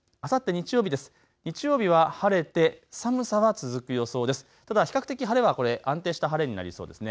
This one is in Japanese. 日曜日は晴れて寒さは続く予想です。